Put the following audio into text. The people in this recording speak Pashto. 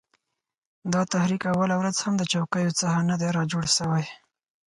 دا تحریک اوله ورځ هم د چوکیو څخه نه دی را جوړ سوی